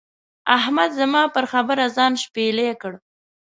احمد زما پر خبره ځان شپېلی کړ.